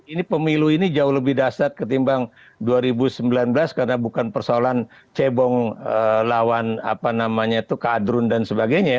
ini pemilu ini jauh lebih dasar ketimbang dua ribu sembilan belas karena bukan persoalan cebong lawan apa namanya itu kadrun dan sebagainya